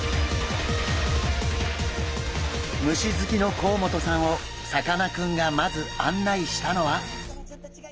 虫好きの甲本さんをさかなクンがまず案内したのは。